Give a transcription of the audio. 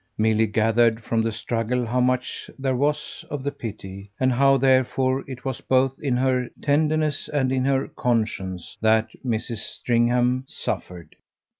Milly gathered from the struggle how much there was of the pity, and how therefore it was both in her tenderness and in her conscience that Mrs. Stringham suffered.